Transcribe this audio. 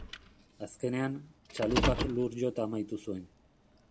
Azkenean, txalupak lur jota amaitu zuen.